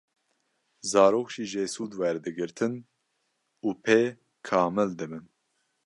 Zarok jî jê sûd werdigirtin û pê kamildibin.